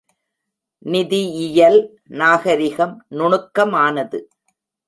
நிதியியல் நாகரிகம் நுணுக்கமானது.